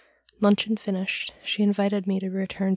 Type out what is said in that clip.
Luncheon finished, she invited me to returr.